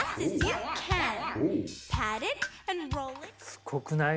すごくない？